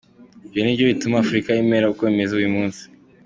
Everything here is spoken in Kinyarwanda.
Ibyo ni byo bituma Afurika imera uko imeze uyu munsi.